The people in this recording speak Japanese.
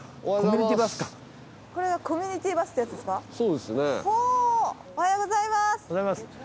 おはようございます。